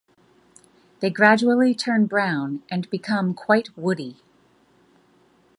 They gradually turn brown and become quite woody.